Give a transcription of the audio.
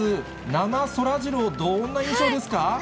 生そらジロー、どんな印象ですか？